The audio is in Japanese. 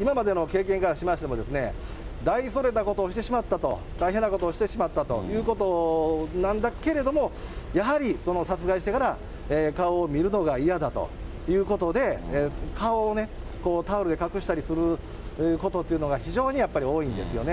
今までの経験からしましても、大それたことをしてしまったと、大変なことをしてしまったということなんだけれども、やはり殺害してから、顔を見るのが嫌だということで、顔をね、タオルで隠したりすることというのが非常にやっぱり多いんですよね。